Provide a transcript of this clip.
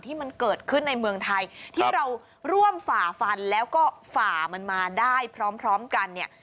ที่มันเกิดขึ้นในเมืองไทยที่เราร่วมฝ่าฟันแล้วก็ฝ่ามันมาได้พร้อมกันเนี่ย